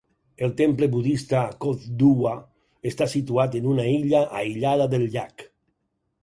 El temple budista Kothduwa està situat en una illa aïllada del llac.